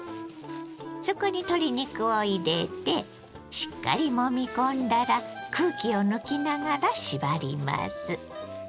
そこに鶏肉を入れてしっかりもみ込んだら空気を抜きながら縛ります。